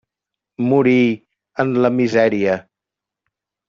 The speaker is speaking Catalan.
Morí en la misèria.